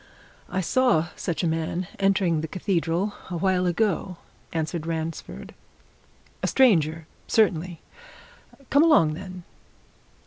"I saw such a man entering the Cathedral, a while ago," answered Ransford. "A stranger, certainly. Come along, then."